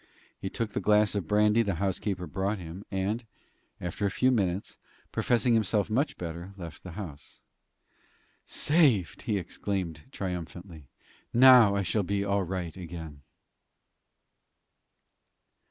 He took the glass of brandy the housekeeper brought him, and, after a few minutes, professing himself much better, left the house. "Saved!" he exclaimed, triumphantly. "Now I shall be all right again."